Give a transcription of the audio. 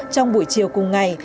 trong buổi chiều cùng ngày